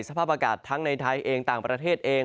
สภาพอากาศทั้งในไทยเองต่างประเทศเอง